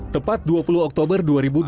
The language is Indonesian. tepat dua puluh oktober dua ribu dua puluh